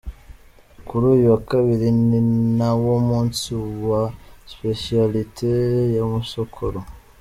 Kuri uyu wa Kabiri ni nawo munsi wa 'specialité' y'umusokoro.